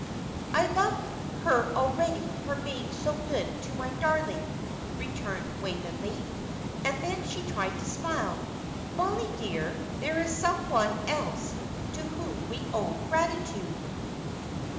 "I love her already for being so good to my darling," returned Waveney; and then she tried to smile. "Mollie, dear, there is some one else to whom we owe gratitude."